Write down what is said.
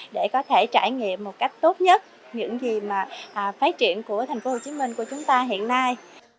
để có thể trải nghiệm một cách tốt nhất những gì mà phát triển của tp hcm của chúng ta hiện nay